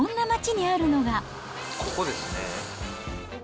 ここですね。